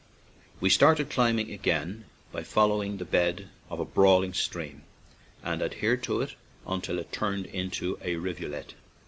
We started climbing again by follow ing the bed of a brawling stream, and adhered to it until it turned into a rivulet.